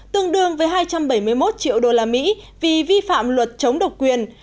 tương đương với hai trăm bảy mươi một triệu đô la mỹ vì vi phạm luật chống độc quyền